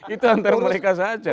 itu antara mereka saja